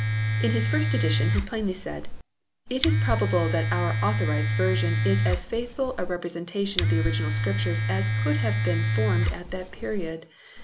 In his first edition he plainly said : "It is probable that our Authorised Version is as faithful a representation of the original Scriptures as could have been formed at that period.